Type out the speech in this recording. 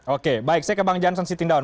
oke baik saya ke bang jansen sitindaun